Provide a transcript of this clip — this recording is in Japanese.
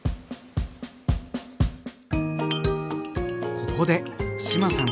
ここで志麻さん